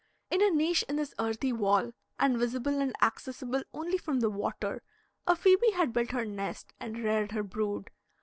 In a niche in this earthy wall, and visible and accessible only from the water, a phoebe had built her nest, and reared her brood.